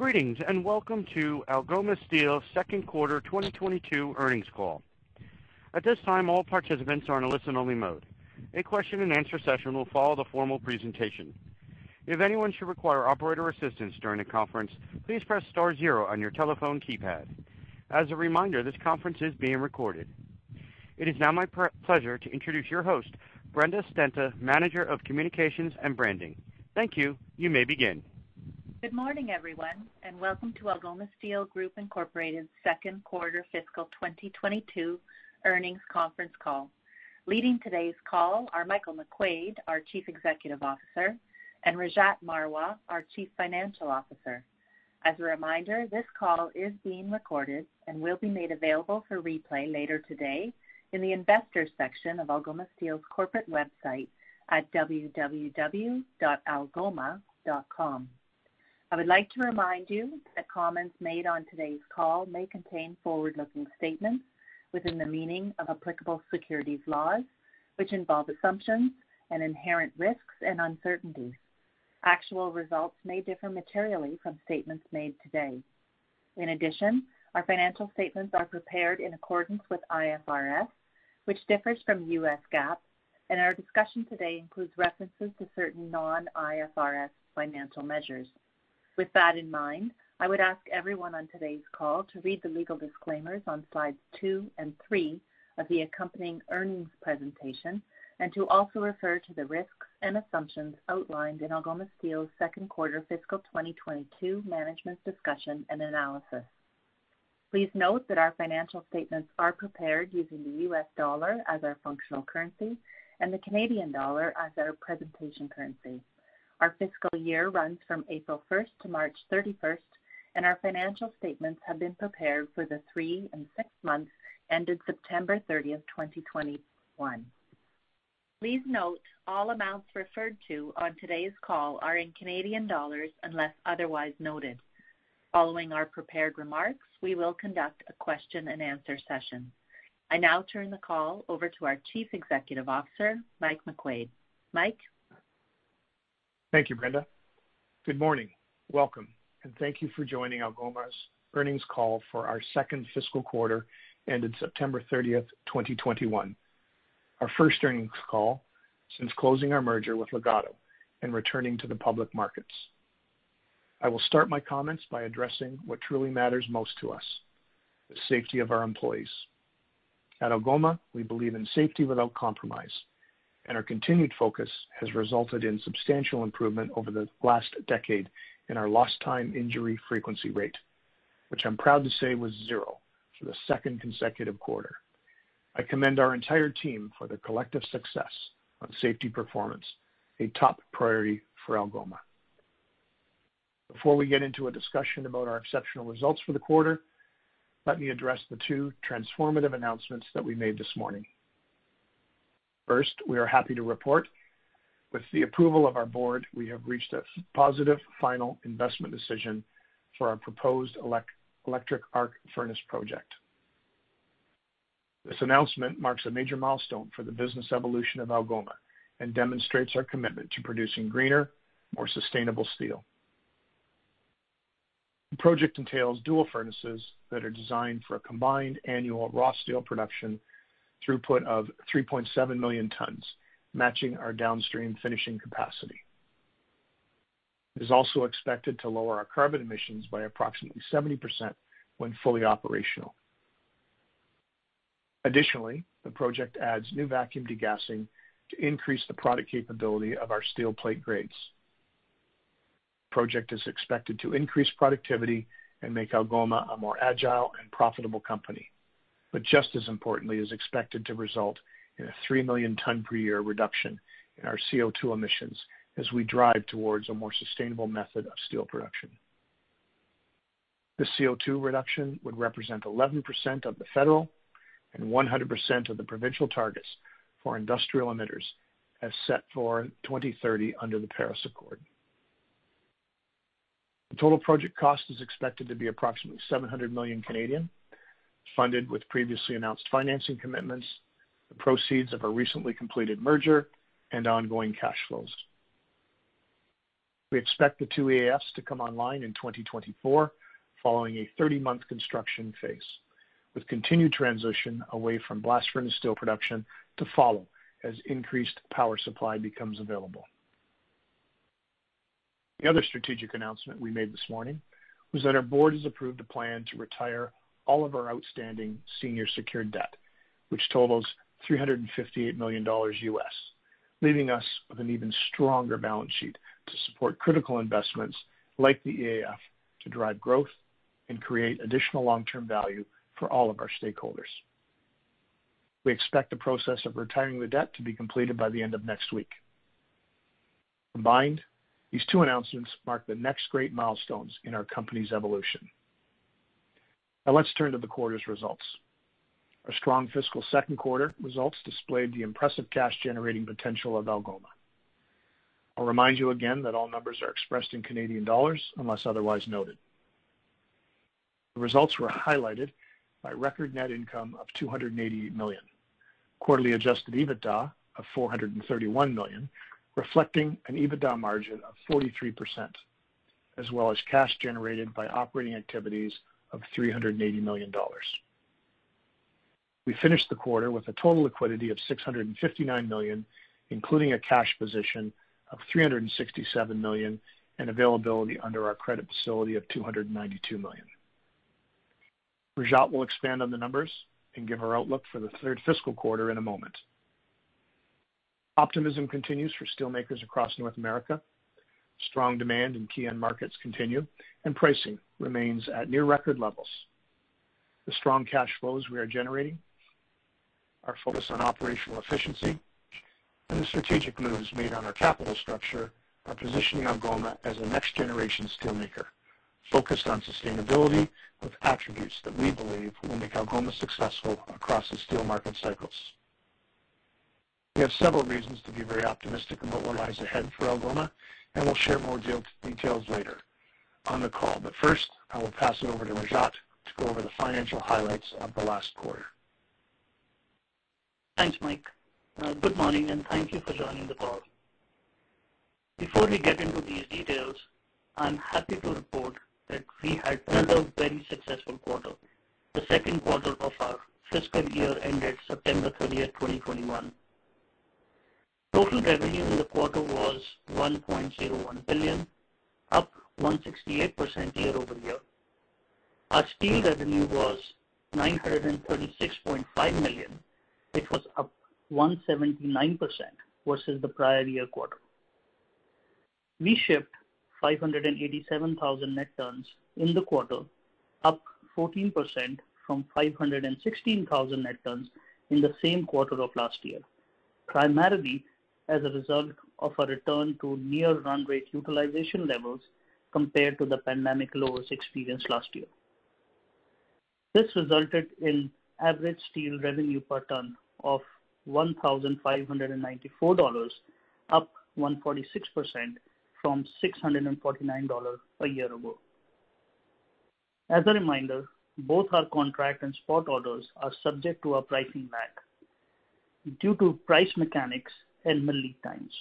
Greetings, and welcome to Algoma Steel second quarter 2022 earnings call. At this time, all participants are in a listen-only mode. A question and answer session will follow the formal presentation. If anyone should require operator assistance during the conference, please press star zero on your telephone keypad. As a reminder, this conference is being recorded. It is now my pleasure to introduce your host, Brenda Stenta, Manager of Communications and Branding. Thank you. You may begin. Good morning, everyone, and welcome to Algoma Steel Group Inc. second quarter fiscal 2022 earnings conference call. Leading today's call are Michael McQuade, our Chief Executive Officer, and Rajat Marwah, our Chief Financial Officer. As a reminder, this call is being recorded and will be made available for replay later today in the investors section of Algoma Steel's corporate website at www.algoma.com. I would like to remind you that comments made on today's call may contain forward-looking statements within the meaning of applicable securities laws, which involve assumptions and inherent risks and uncertainties. Actual results may differ materially from statements made today. In addition, our financial statements are prepared in accordance with IFRS, which differs from U.S. GAAP, and our discussion today includes references to certain non-IFRS financial measures. With that in mind, I would ask everyone on today's call to read the legal disclaimers on slides two and three of the accompanying earnings presentation, and to also refer to the risks and assumptions outlined in Algoma Steel's second quarter fiscal 2022 management's discussion and analysis. Please note that our financial statements are prepared using the U.S. dollar as our functional currency and the Canadian dollar as our presentation currency. Our fiscal year runs from April 1 to March 31, and our financial statements have been prepared for the three and six months ended September 30, 2021. Please note all amounts referred to on today's call are in Canadian dollars unless otherwise noted. Following our prepared remarks, we will conduct a question and answer session. I now turn the call over to our Chief Executive Officer, Mike McQuade. Mike? Thank you, Brenda. Good morning, welcome, and thank you for joining Algoma's earnings call for our second fiscal quarter ended September 30, 2021. Our first earnings call since closing our merger with Legato and returning to the public markets. I will start my comments by addressing what truly matters most to us, the safety of our employees. At Algoma, we believe in safety without compromise, and our continued focus has resulted in substantial improvement over the last decade in our Lost Time Injury Frequency Rate, which I'm proud to say was 0 for the second consecutive quarter. I commend our entire team for their collective success on safety performance, a top priority for Algoma. Before we get into a discussion about our exceptional results for the quarter, let me address the two transformative announcements that we made this morning. First, we are happy to report, with the approval of our board, we have reached a positive final investment decision for our proposed electric arc furnace project. This announcement marks a major milestone for the business evolution of Algoma and demonstrates our commitment to producing greener, more sustainable steel. The project entails dual furnaces that are designed for a combined annual raw steel production throughput of 3.7 million tons, matching our downstream finishing capacity. It is also expected to lower our carbon emissions by approximately 70% when fully operational. Additionally, the project adds new vacuum degassing to increase the product capability of our steel plate grades. The project is expected to increase productivity and make Algoma a more agile and profitable company, but just as importantly, is expected to result in a 3 million tons per year reduction in our CO2 emissions as we drive towards a more sustainable method of steel production. This CO2 reduction would represent 11% of the federal and 100% of the provincial targets for industrial emitters as set for 2030 under the Paris Agreement. The total project cost is expected to be approximately 700 million, funded with previously announced financing commitments, the proceeds of our recently completed merger and ongoing cash flows. We expect the 2 EAFs to come online in 2024, following a 30-month construction phase, with continued transition away from blast furnace steel production to follow as increased power supply becomes available. The other strategic announcement we made this morning was that our board has approved a plan to retire all of our outstanding senior secured debt, which totals $358 million, leaving us with an even stronger balance sheet to support critical investments like the EAF to drive growth and create additional long-term value for all of our stakeholders. We expect the process of retiring the debt to be completed by the end of next week. Combined, these two announcements mark the next great milestones in our company's evolution. Now let's turn to the quarter's results. Our strong fiscal second quarter results displayed the impressive cash-generating potential of Algoma. I'll remind you again that all numbers are expressed in Canadian dollars unless otherwise noted. The results were highlighted by record net income of 280 million. Quarterly adjusted EBITDA of $431 million, reflecting an EBITDA margin of 43%, as well as cash generated by operating activities of $380 million. We finished the quarter with a total liquidity of $659 million, including a cash position of $367 million, and availability under our credit facility of $292 million. Rajat will expand on the numbers and give our outlook for the third fiscal quarter in a moment. Optimism continues for steel makers across North America. Strong demand in key end markets continue and pricing remains at near record levels. The strong cash flows we are generating, our focus on operational efficiency, and the strategic moves made on our capital structure are positioning Algoma as a next-generation steel maker, focused on sustainability with attributes that we believe will make Algoma successful across the steel market cycles. We have several reasons to be very optimistic in what lies ahead for Algoma, and we'll share more details later on the call. First, I will pass it over to Rajat to go over the financial highlights of the last quarter. Thanks, Mike. Good morning, and thank you for joining the call. Before we get into these details, I'm happy to report that we had another very successful quarter, the second quarter of our fiscal year ended September 30, 2021. Total revenue in the quarter was $1.01 billion, up 168% year-over-year. Our steel revenue was $936.5 million, which was up 179% versus the prior year quarter. We shipped 587,000 net tons in the quarter, up 14% from 516,000 net tons in the same quarter of last year, primarily as a result of a return to near run rate utilization levels compared to the pandemic lows experienced last year. This resulted in average steel revenue per ton of $1,594, up 146% from $649 a year ago. As a reminder, both our contract and spot orders are subject to a pricing lag due to price mechanics and lead times.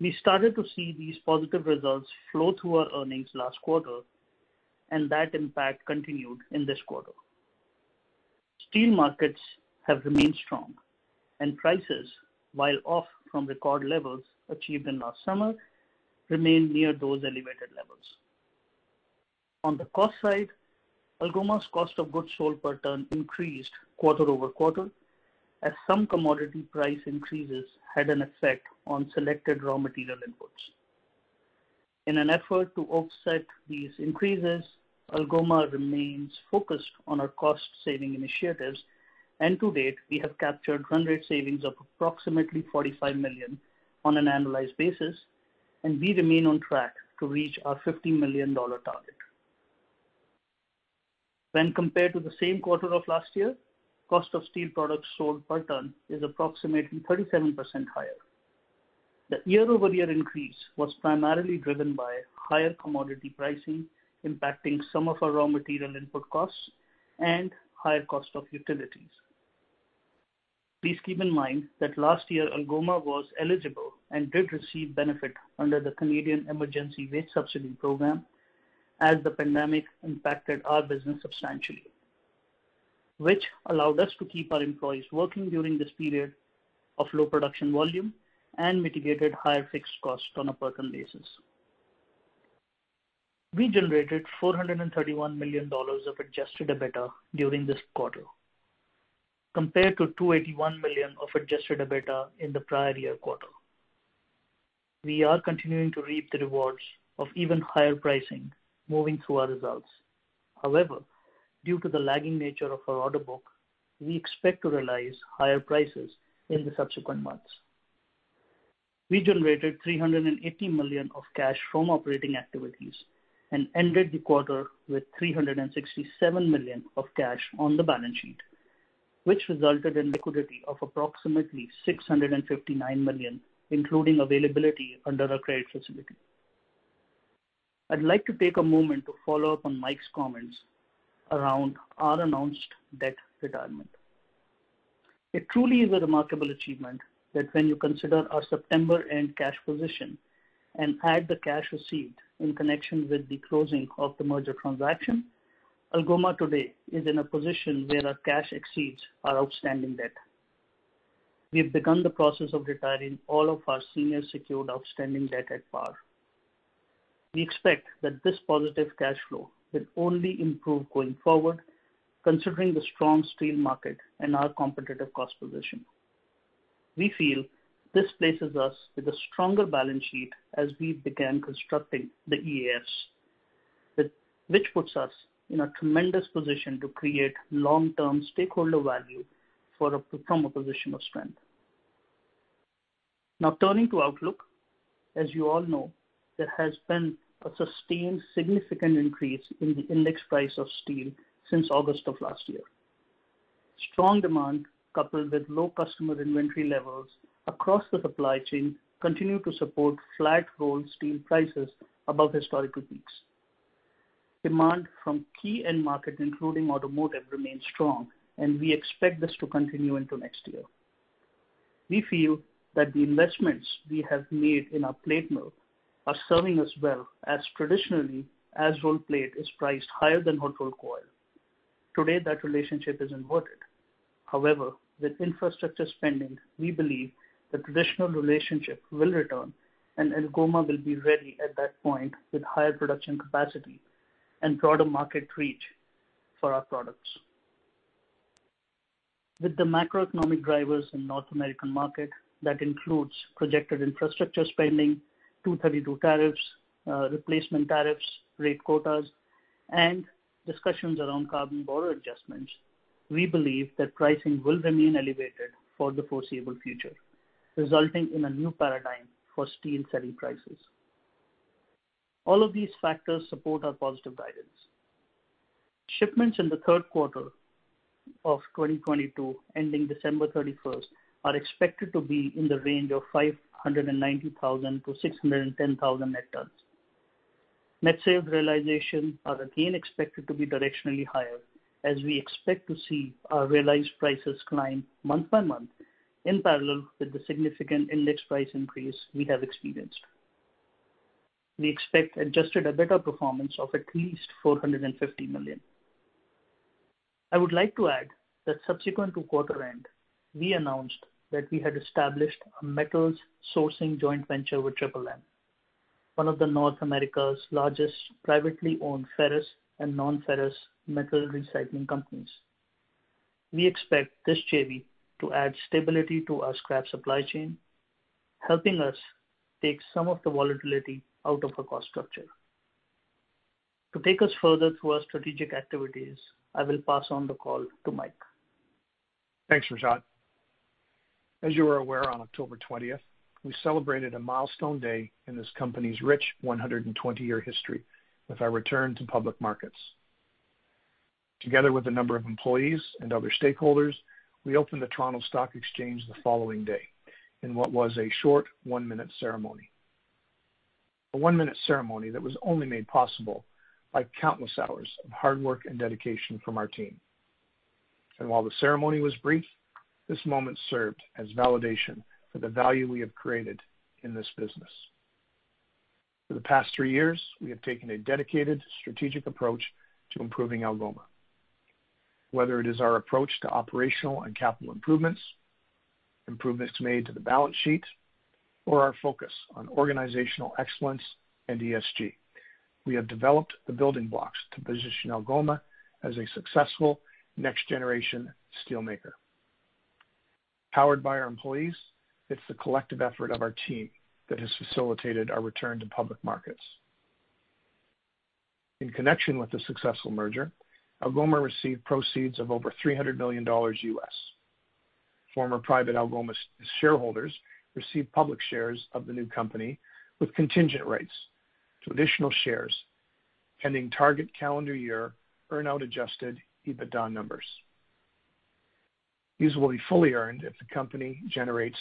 We started to see these positive results flow through our earnings last quarter, and that impact continued in this quarter. Steel markets have remained strong, and prices, while off from record levels achieved in last summer, remain near those elevated levels. On the cost side, Algoma's cost of goods sold per ton increased quarter-over-quarter, as some commodity price increases had an effect on selected raw material inputs. In an effort to offset these increases, Algoma remains focused on our cost-saving initiatives, and to date, we have captured run rate savings of approximately $45 million on an annualized basis, and we remain on track to reach our $50 million target. When compared to the same quarter of last year, cost of steel products sold per ton is approximately 37% higher. The year-over-year increase was primarily driven by higher commodity pricing impacting some of our raw material input costs and higher cost of utilities. Please keep in mind that last year, Algoma was eligible and did receive benefit under the Canada Emergency Wage Subsidy program as the pandemic impacted our business substantially, which allowed us to keep our employees working during this period of low production volume and mitigated higher fixed costs on a per ton basis. We generated $431 million of adjusted EBITDA during this quarter, compared to $281 million of adjusted EBITDA in the prior year quarter. We are continuing to reap the rewards of even higher pricing moving through our results. However, due to the lagging nature of our order book, we expect to realize higher prices in the subsequent months. We generated $380 million of cash from operating activities and ended the quarter with $367 million of cash on the balance sheet, which resulted in liquidity of approximately $659 million, including availability under our credit facility. I'd like to take a moment to follow up on Mike's comments around our announced debt retirement. It truly is a remarkable achievement that when you consider our September end cash position and add the cash received in connection with the closing of the merger transaction, Algoma today is in a position where our cash exceeds our outstanding debt. We've begun the process of retiring all of our senior secured outstanding debt at par. We expect that this positive cash flow will only improve going forward, considering the strong steel market and our competitive cost position. We feel this places us with a stronger balance sheet as we began constructing the EAF, which puts us in a tremendous position to create long-term stakeholder value from a position of strength. Now turning to outlook. As you all know, there has been a sustained significant increase in the index price of steel since August of last year. Strong demand, coupled with low customer inventory levels across the supply chain, continue to support flat rolled steel prices above historical peaks. Demand from key end market, including automotive, remains strong, and we expect this to continue into next year. We feel that the investments we have made in our plate mill are serving us well as traditionally, as rolled plate is priced higher than hot rolled coil. Today that relationship is inverted. However, with infrastructure spending, we believe the traditional relationship will return and Algoma will be ready at that point with higher production capacity and broader market reach for our products. With the macroeconomic drivers in North American market, that includes projected infrastructure spending, Section 232 tariffs, replacement tariffs, tariff-rate quotas, and discussions around carbon border adjustments, we believe that pricing will remain elevated for the foreseeable future, resulting in a new paradigm for steel selling prices. All of these factors support our positive guidance. Shipments in the third quarter of 2022, ending December 31, are expected to be in the range of 590,000 to 610,000 net tons. Net sales realization are again expected to be directionally higher as we expect to see our realized prices climb month-by-month in parallel with the significant index price increase we have experienced. We expect adjusted EBITDA performance of at least $450 million. I would like to add that subsequent to quarter end, we announced that we had established a metals sourcing joint venture with Triple M, one of North America's largest privately owned ferrous and non-ferrous metal recycling companies. We expect this JV to add stability to our scrap supply chain, helping us take some of the volatility out of our cost structure. To take us further through our strategic activities, I will pass on the call to Mike. Thanks, Rajat. As you are aware, on October 20, we celebrated a milestone day in this company's rich 120-year history with our return to public markets. Together with a number of employees and other stakeholders, we opened the Toronto Stock Exchange the following day in what was a short 1-minute ceremony. A 1-minute ceremony that was only made possible by countless hours of hard work and dedication from our team. While the ceremony was brief, this moment served as validation for the value we have created in this business. For the past 3 years, we have taken a dedicated strategic approach to improving Algoma. Whether it is our approach to operational and capital improvements made to the balance sheet, or our focus on organizational excellence and ESG, we have developed the building blocks to position Algoma as a successful next-generation steelmaker. Powered by our employees, it's the collective effort of our team that has facilitated our return to public markets. In connection with the successful merger, Algoma received proceeds of over $300 million. Former private Algoma shareholders received public shares of the new company with contingent rights to additional shares pending target calendar year earn-out adjusted EBITDA numbers. These will be fully earned if the company generates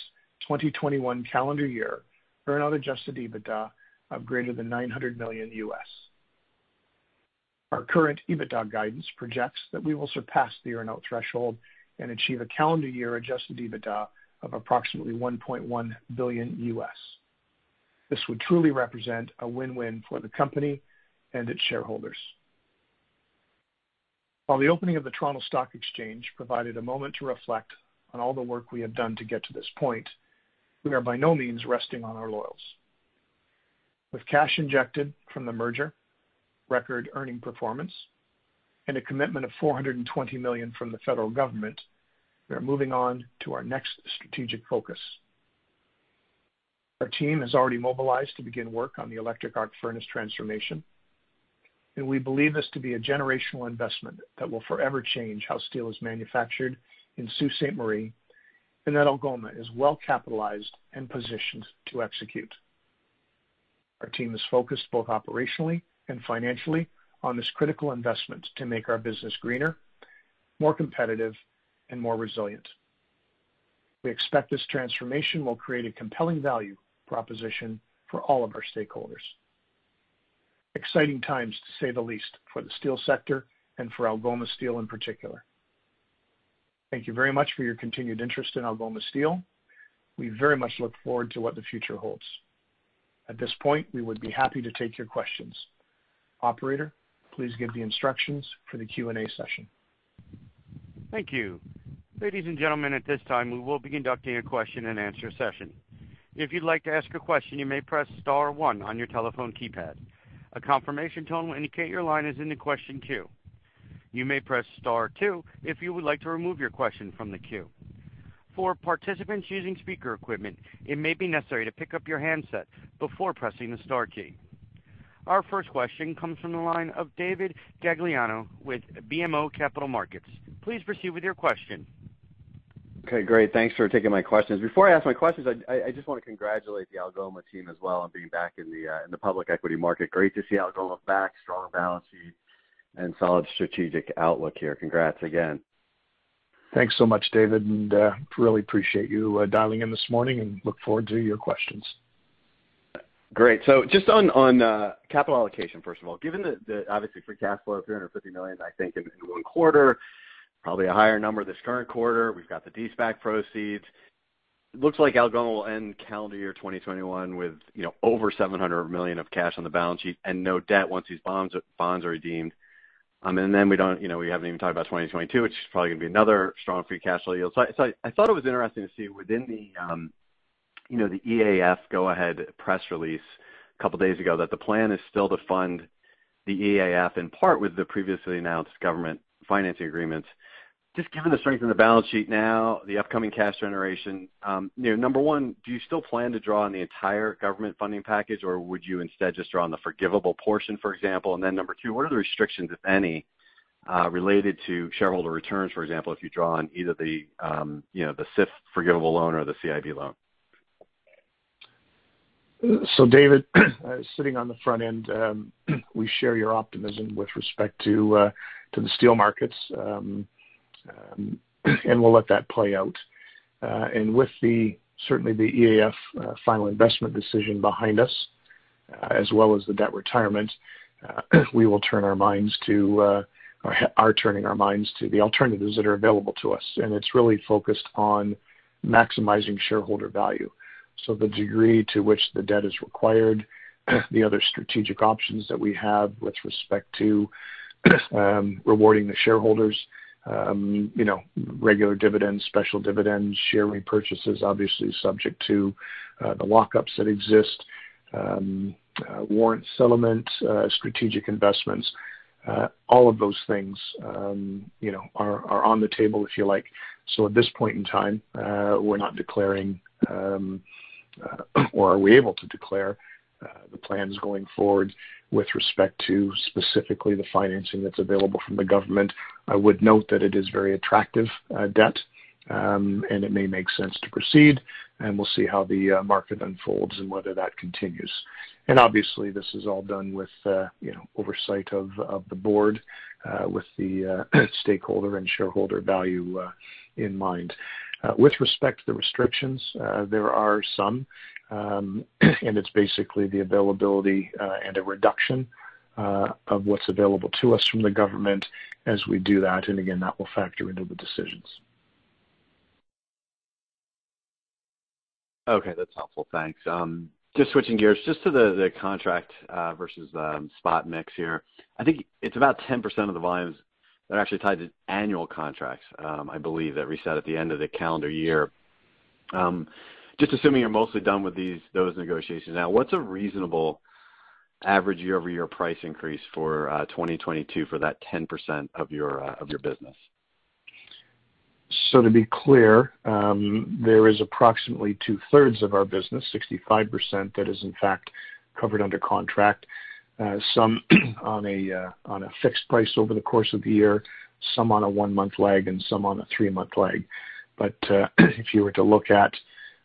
2021 calendar year earn-out adjusted EBITDA of greater than $900 million. Our current EBITDA guidance projects that we will surpass the earn-out threshold and achieve a calendar year adjusted EBITDA of approximately $1.1 billion. This would truly represent a win-win for the company and its shareholders. While the opening of the Toronto Stock Exchange provided a moment to reflect on all the work we have done to get to this point, we are by no means resting on our laurels. With cash injected from the merger, record earnings performance, and a commitment of 420 million from the federal government, we are moving on to our next strategic focus. Our team has already mobilized to begin work on the electric arc furnace transformation, and we believe this to be a generational investment that will forever change how steel is manufactured in Sault Ste. Marie, and that Algoma is well capitalized and positioned to execute. Our team is focused both operationally and financially on this critical investment to make our business greener, more competitive, and more resilient. We expect this transformation will create a compelling value proposition for all of our stakeholders. Exciting times, to say the least, for the steel sector and for Algoma Steel in particular. Thank you very much for your continued interest in Algoma Steel. We very much look forward to what the future holds. At this point, we would be happy to take your questions. Operator, please give the instructions for the Q&A session. Thank you. Ladies and gentlemen, at this time, we will be conducting a question-and-answer session. If you'd like to ask a question, you may press star one on your telephone keypad. A confirmation tone will indicate your line is in the question queue. You may press star two if you would like to remove your question from the queue. For participants using speaker equipment, it may be necessary to pick up your handset before pressing the star key. Our first question comes from the line of David Gagliano with BMO Capital Markets. Please proceed with your question. Okay, great. Thanks for taking my questions. Before I ask my questions, I just wanna congratulate the Algoma team as well on being back in the public equity market. Great to see Algoma back, strong balance sheet and solid strategic outlook here. Congrats again. Thanks so much, David, and really appreciate you dialing in this morning and look forward to your questions. Great. Just on capital allocation, first of all, given the obviously free cash flow of $350 million, I think, in one quarter, probably a higher number this current quarter. We've got the SPAC proceeds. Looks like Algoma will end calendar year 2021 with, you know, over $700 million of cash on the balance sheet and no debt once these bonds are redeemed. We don't, you know, we haven't even talked about 2022, which is probably gonna be another strong free cash flow yield. I thought it was interesting to see within the, you know, the EAF go-ahead press release a couple days ago that the plan is still to fund the EAF, in part with the previously announced government financing agreements. Just given the strength in the balance sheet now, the upcoming cash generation, you know, number one, do you still plan to draw on the entire government funding package, or would you instead just draw on the forgivable portion, for example? Then number two, what are the restrictions, if any, related to shareholder returns? For example, if you draw on either the SIF forgivable loan or the CIB loan. David, sitting on the front end, we share your optimism with respect to the steel markets, and we'll let that play out. With certainly the EAF final investment decision behind us, as well as the debt retirement, we will turn our minds to, or are turning our minds to the alternatives that are available to us, and it's really focused on maximizing shareholder value. The degree to which the debt is required, the other strategic options that we have with respect to rewarding the shareholders, you know, regular dividends, special dividends, share repurchases, obviously subject to the lockups that exist, warrant settlement, strategic investments, all of those things, you know, are on the table, if you like. At this point in time, we're not declaring, or are we able to declare, the plans going forward with respect to specifically the financing that's available from the government. I would note that it is very attractive debt, and it may make sense to proceed, and we'll see how the market unfolds and whether that continues. Obviously, this is all done with, you know, oversight of the board, with the stakeholder and shareholder value in mind. With respect to the restrictions, there are some, and it's basically the availability and a reduction of what's available to us from the government as we do that. Again, that will factor into the decisions. Okay, that's helpful. Thanks. Just switching gears, just to the contract versus spot mix here. I think it's about 10% of the volumes that are actually tied to annual contracts. I believe that reset at the end of the calendar year. Just assuming you're mostly done with those negotiations now, what's a reasonable average year-over-year price increase for 2022 for that 10% of your business? To be clear, there is approximately two-thirds of our business, 65%, that is in fact covered under contract. Some on a fixed price over the course of the year, some on a one-month lag, and some on a three-month lag. If you were to look at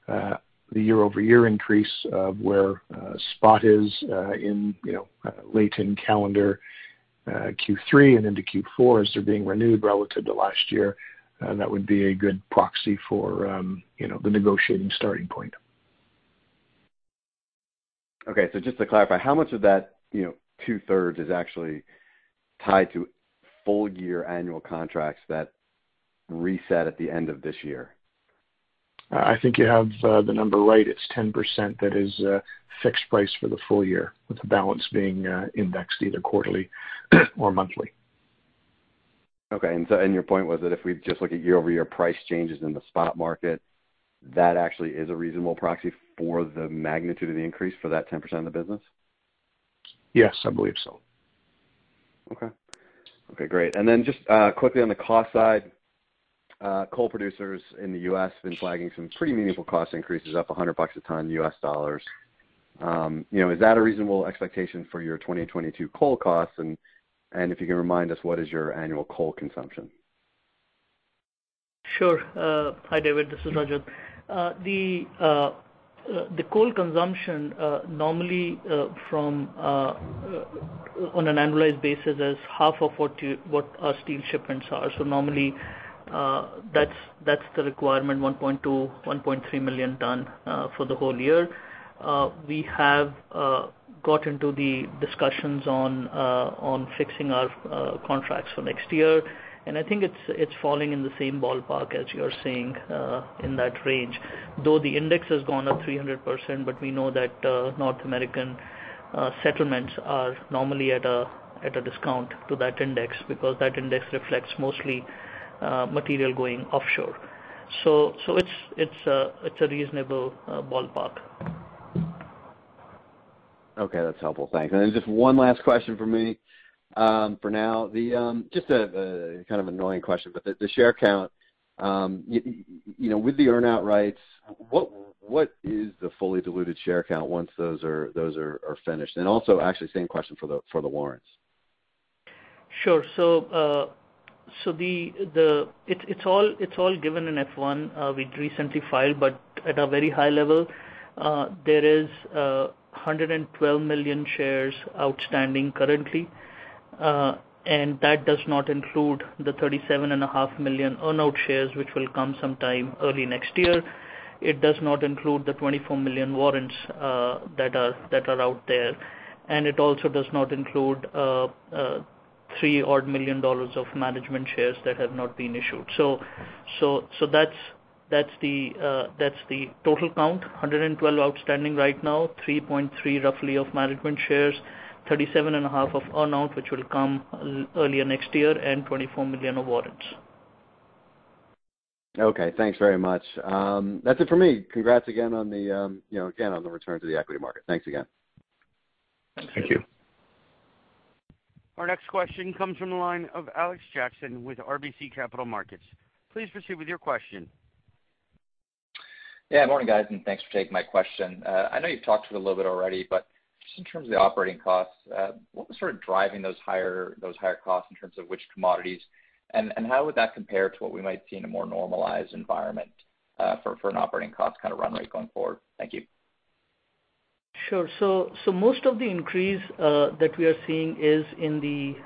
the year-over-year increase of where spot is in, you know, late in calendar Q3 and into Q4 as they're being renewed relative to last year, that would be a good proxy for, you know, the negotiating starting point. Okay. Just to clarify, how much of that, you know, two-thirds is actually tied to full year annual contracts that reset at the end of this year? I think you have the number right. It's 10% that is fixed price for the full year, with the balance being indexed either quarterly or monthly. Okay. Your point was that if we just look at year-over-year price changes in the spot market, that actually is a reasonable proxy for the magnitude of the increase for that 10% of the business? Yes, I believe so. Okay. Okay, great. Just, quickly on the cost side, coal producers in the U.S. have been flagging some pretty meaningful cost increases up $100 a ton U.S. dollars. You know, is that a reasonable expectation for your 2022 coal costs? If you can remind us, what is your annual coal consumption? Sure. Hi, David. This is Rajat. The coal consumption normally from on an annualized basis is half of what our steel shipments are. So normally, that's the requirement, 1.2-1.3 million ton for the whole year. We have got into the discussions on fixing our contracts for next year, and I think it's falling in the same ballpark as you're seeing in that range. Though the index has gone up 300%, but we know that North American settlements are normally at a discount to that index because that index reflects mostly material going offshore. So it's a reasonable ballpark. Okay, that's helpful. Thanks. Just one last question from me, for now. Just a kind of annoying question, but the share count, you know, with the earn-out rights, what is the fully diluted share count once those are finished? Also actually same question for the warrants. Sure. It's all given in Form F-1. We recently filed, but at a very high level, there is 112 million shares outstanding currently. That does not include the 37.5 million earn-out shares which will come sometime early next year. It does not include the 24 million warrants that are out there. It also does not include $3-odd million of management shares that have not been issued. That's the total count. 112 outstanding right now, 3.3 roughly of management shares, 37.5 of earn-out, which will come earlier next year, and 24 million of warrants. Okay, thanks very much. That's it for me. Congrats again on the, you know, again, on the return to the equity market. Thanks again. Thank you. Our next question comes from the line of Alex Jackson with RBC Capital Markets. Please proceed with your question. Yeah, morning, guys, and thanks for taking my question. I know you've talked a little bit already, but just in terms of the operating costs, what was sort of driving those higher costs in terms of which commodities, and how would that compare to what we might see in a more normalized environment, for an operating cost kind of run rate going forward? Thank you. Sure. Most of the increase that we are seeing is in the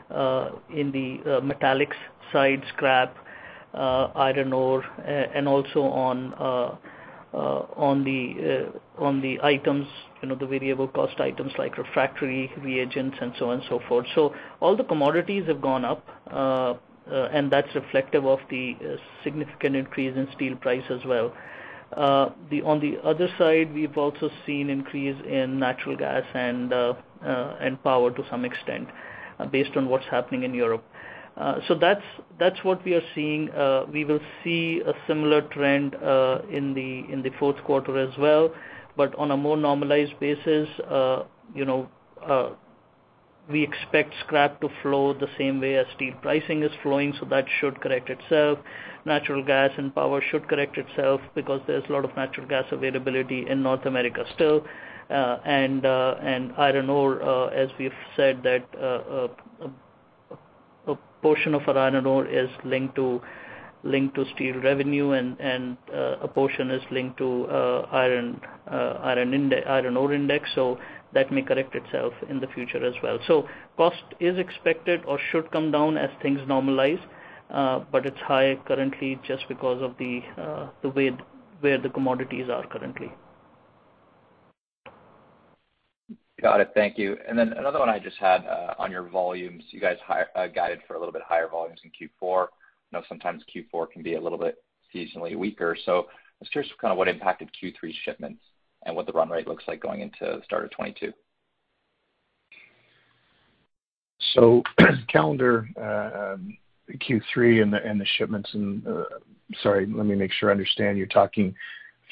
metallics side, scrap, iron ore, and also on the items, you know, the variable cost items like refractory, reagents and so on and so forth. All the commodities have gone up, and that's reflective of the significant increase in steel price as well. On the other side, we've also seen increase in natural gas and power to some extent based on what's happening in Europe. That's what we are seeing. We will see a similar trend in the fourth quarter as well. On a more normalized basis, you know, we expect scrap to flow the same way as steel pricing is flowing, so that should correct itself. Natural gas and power should correct itself because there's a lot of natural gas availability in North America still. Iron ore, as we've said that a portion of our iron ore is linked to steel revenue and a portion is linked to iron ore index. That may correct itself in the future as well. Cost is expected or should come down as things normalize, but it's high currently just because of the way where the commodities are currently. Got it. Thank you. Another one I just had on your volumes. You guys guided for a little bit higher volumes in Q4. You know, sometimes Q4 can be a little bit seasonally weaker. I was curious kind of what impacted Q3 shipments and what the run rate looks like going into the start of 2022. Sorry, let me make sure I understand you're talking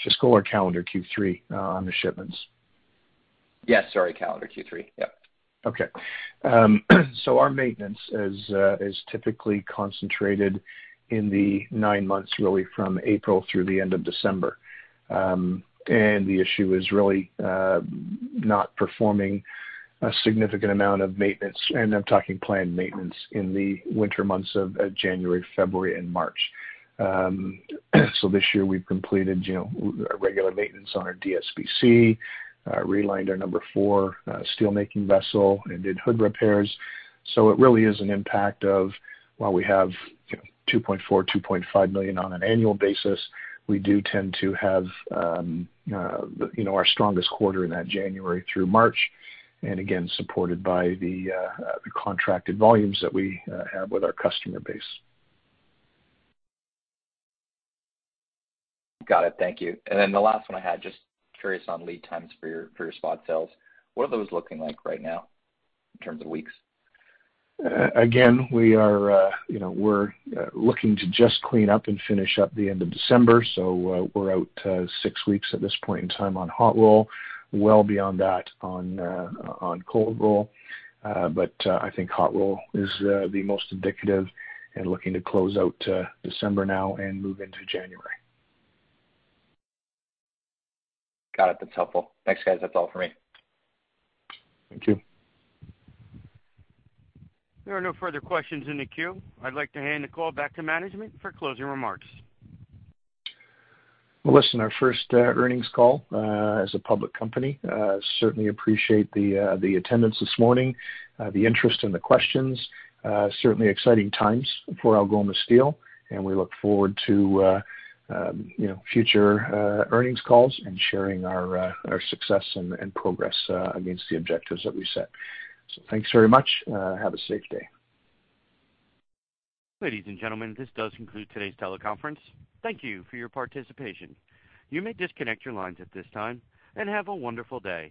fiscal or calendar Q3 on the shipments? Yes, sorry, calendar Q3. Yep. Okay. Our maintenance is typically concentrated in the nine months, really from April through the end of December. The issue is really not performing a significant amount of maintenance, and I'm talking planned maintenance in the winter months of January, February and March. This year we've completed, you know, our regular maintenance on our DSPC, realigned our number 4 steelmaking vessel and did hood repairs. It really is an impact of while we have, you know, $2.4-$2.5 million on an annual basis, we do tend to have our strongest quarter in that January through March, and again supported by the contracted volumes that we have with our customer base. Got it. Thank you. The last one I had, just curious on lead times for your spot sales. What are those looking like right now in terms of weeks? Again, you know, we're looking to just clean up and finish up the end of December. We're out six weeks at this point in time on hot roll, well beyond that on cold roll. I think hot roll is the most indicative and looking to close out December now and move into January. Got it. That's helpful. Thanks, guys. That's all for me. Thank you. There are no further questions in the queue. I'd like to hand the call back to management for closing remarks. Well, listen, our first earnings call as a public company. Certainly appreciate the attendance this morning, the interest and the questions. Certainly exciting times for Algoma Steel and we look forward to, you know, future earnings calls and sharing our success and progress against the objectives that we set. Thanks very much. Have a safe day. Ladies and gentlemen, this does conclude today's teleconference. Thank you for your participation. You may disconnect your lines at this time, and have a wonderful day.